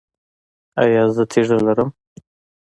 ایا زه تیږه لرم؟